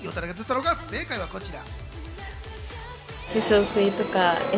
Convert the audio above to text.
正解はこちら。